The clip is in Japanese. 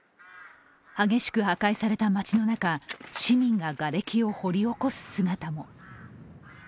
激しく破壊された町の中市民ががれきを掘り起こす姿も。